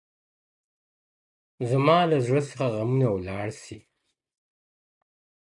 • زما له زړه څخه غمونه ولاړ سي.